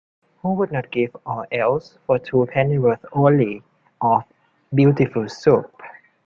Who would not give all else for two pennyworth only of beautiful soup?